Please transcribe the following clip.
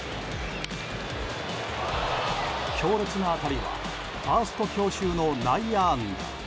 強烈な当たりはファースト強襲の内野安打。